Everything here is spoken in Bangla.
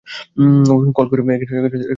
কল করে বল।